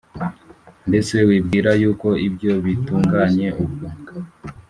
Mbese wibwira yuko ibyo bitunganye ubwo